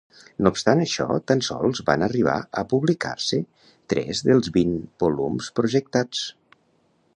No obstant això, tan sols van arribar a publicar-se tres dels vint volums projectats.